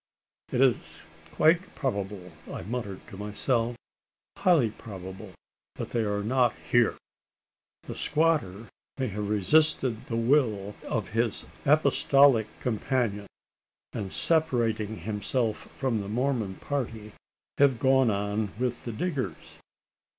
"It is quite probable," I muttered to myself, "highly probable that they are not here! The squatter may have resisted the will of his Apostolic companion; and, separating himself from the Mormon party, have gone on with the diggers?